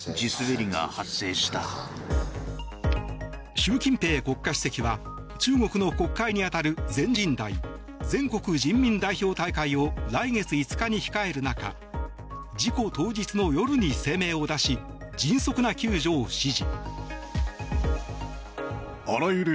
習近平国家主席は中国の国会に当たる全人代・全国人民代表大会を来月５日に控える中事故当日の夜に声明を出し迅速な救助を指示。